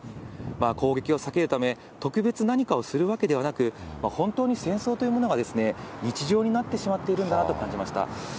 攻撃を避けるため、特別何かをするわけではなく、本当に戦争というものが日常になってしまっているんだなと感じました。